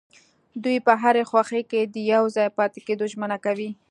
دوی په هرې خوښۍ کې د يوځای پاتې کيدو ژمنه کوي.